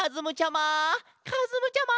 かずむちゃま！